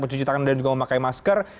mencuci tangan dan juga memakai masker